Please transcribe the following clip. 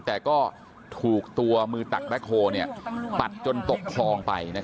แต่ก็ถูกตัวมือตักแบ็คโฮปัดจนตกคลองไป